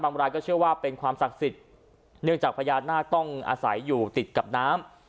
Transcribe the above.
รายก็เชื่อว่าเป็นความศักดิ์สิทธิ์เนื่องจากพญานาคต้องอาศัยอยู่ติดกับน้ำ